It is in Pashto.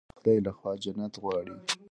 مړه ته د خدای له خوا جنت غواړو